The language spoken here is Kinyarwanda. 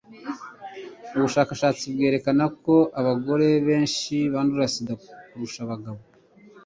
ubushakashatsi bwerekana ko abagore ben- shi bandura sida kurusha abagabo